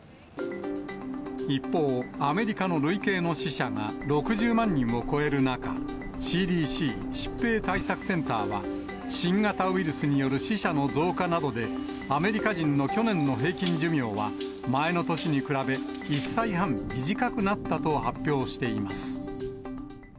一方、アメリカの累計の死者が６０万人を超える中、ＣＤＣ・疾病対策センターは、新型ウイルスによる死者の増加などで、アメリカ人の去年の平均寿命は、前の年に比べ、１歳半、短くなったと発表しています。